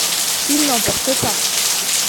Ils n’en portent pas !